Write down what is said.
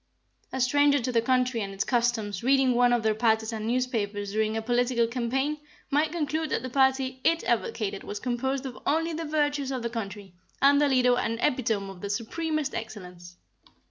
A stranger to the country and its customs reading one of their partisan newspapers during a political campaign, might conclude that the party it advocated was composed of only the virtues of the country, and their leader an epitome of the supremest excellence.